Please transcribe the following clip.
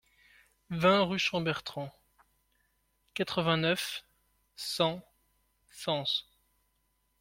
vingt rue Champbertrand, quatre-vingt-neuf, cent, Sens